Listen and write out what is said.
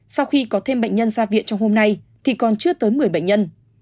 sau khi có thêm bệnh nhân ra viện trong hôm nay thì còn chưa tới một mươi bệnh nhân